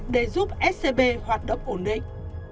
để giúp scb hoạt động ổn định